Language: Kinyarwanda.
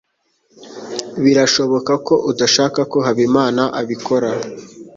Birashoboka ko udashaka ko Habimana abikora.